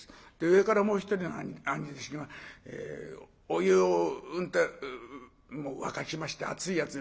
上からもう一人の兄弟子がお湯をうんと沸かしました熱いやつ